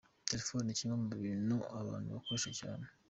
Telefoni ni kimwe mu bintu abantu bakoresha cyane.